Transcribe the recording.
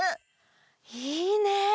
いいね！